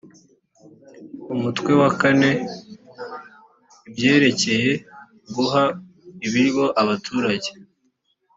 umutwe wa kane, ibyerekeye guha ibiryo abaturage.